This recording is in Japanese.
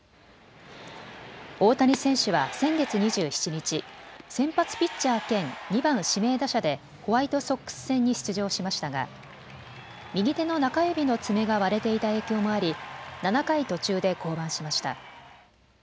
大谷選手は先月２７日、先発ピッチャー兼２番・指名打者でホワイトソックス戦に出場しましたが右手の中指の爪が割れていた影響もあり７回途中で降板しました。